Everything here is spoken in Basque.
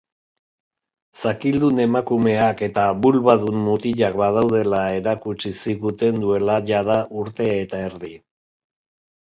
Zakildun emakumeak eta bulbadun mutilak badaudela erakutsi ziguten duela jada urte eta erdi.